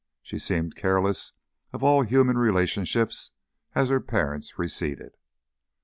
She seemed careless of all human relationships as her parents receded.